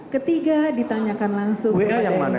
ketiga ditanyakan langsung kepada yang bersangkutan